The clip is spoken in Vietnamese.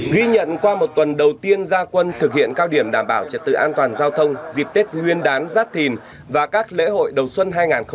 ghi nhận qua một tuần đầu tiên gia quân thực hiện cao điểm đảm bảo trật tự an toàn giao thông dịp tết nguyên đán giáp thìn và các lễ hội đầu xuân hai nghìn hai mươi bốn